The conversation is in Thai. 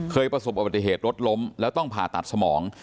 ประสบอุบัติเหตุรถล้มแล้วต้องผ่าตัดสมอง